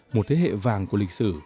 một thế hệ vàng của lịch sử